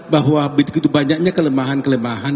bahwa begitu banyaknya kelemahan kelemahan